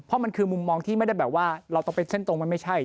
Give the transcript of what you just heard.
เพราะมันคือมุมมองที่ไม่ได้แบบว่าเราต้องเป็นเส้นตรงมันไม่ใช่